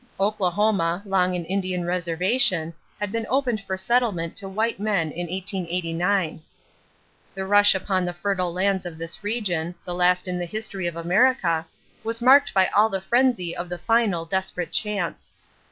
Oklahoma, long an Indian reservation, had been opened for settlement to white men in 1889. The rush upon the fertile lands of this region, the last in the history of America, was marked by all the frenzy of the final, desperate chance.